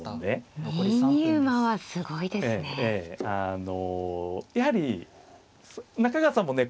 あのやはり中川さんもね